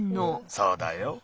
そうだよ。